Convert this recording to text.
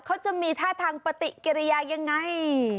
เขาจะมีท่าทางปฏิกิริยายังไง